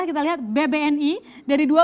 lalu kita lihat kembali ke bank plat merah